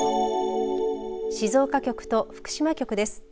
静岡局と福島局です。